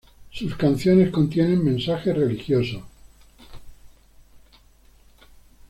Sus canciones contienen mensajes religiosos.